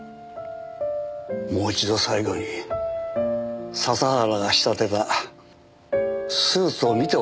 もう一度最後に笹原が仕立てたスーツを見ておきたかったんです。